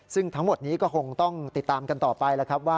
ซึ่งทั้งหมดนี้ก็คงต้องติดตามกันต่อไป